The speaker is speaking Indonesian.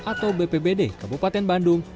atau bpbd kabupaten bandung